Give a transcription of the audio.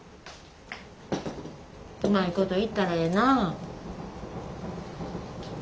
うまいこといったらええな。